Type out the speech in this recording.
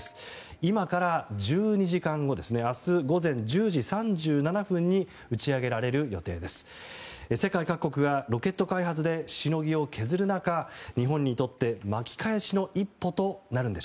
今から１２時間後明日、午前１０時３７分に打ち上げられる予定です。